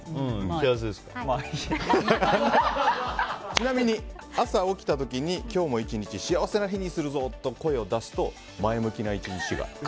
ちなみに、朝起きた時に今日も１日、幸せな日にするぞと声を出すと、前向きな１日が。